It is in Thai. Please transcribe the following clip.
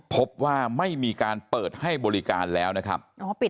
พบว่าไม่มีการเปิดให้บริการแล้วนะครับ